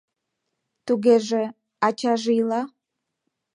— Тугеже, ачаже ила?